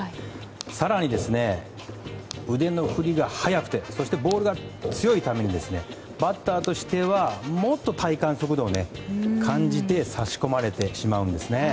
更に腕の振りが速くてそしてボールが強いためにバッターとしてはもっと体感速度を感じて差し込まれてしまうんですね。